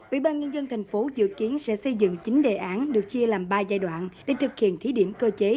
ubnd tp dự kiến sẽ xây dựng chín đề án được chia làm ba giai đoạn để thực hiện thí điểm cơ chế